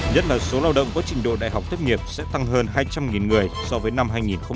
nhất là số lao động có trình độ đại học thất nghiệp sẽ tăng hơn hai trăm linh người so với năm hai nghìn một mươi tám